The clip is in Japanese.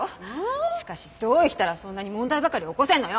しかしどう生きたらそんなに問題ばかり起こせるのよ？